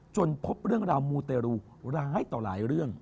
พบเรื่องราวมูเตรูร้ายต่อหลายเรื่อง